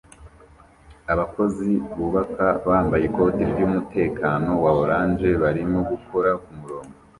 Abakozi bubaka bambaye ikoti ryumutekano wa orange barimo gukora kumurongo